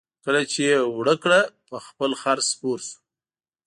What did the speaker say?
کله چې یې اوړه کړه په خپل خر سپور شو.